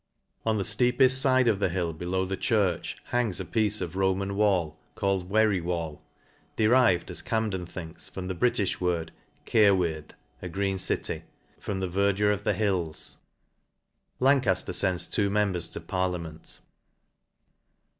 On the fteepeft fide of the hill below the church hangs a piece of a Roman wall caMecf ' Wery wall, derived, as Camden thinks, from the Bri tijh word Caerwirdd, a green city, from the verdure of the hills. Lancajler fends two members to par liament.